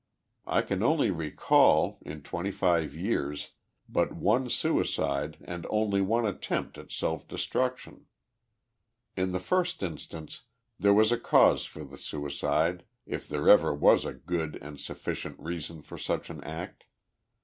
I can only re call, in twenty five years, but one suicide and only one attempt at self destruction. In the first instance, there was a cause for the suicide, if there ever was a good and sufficient reason for such an act.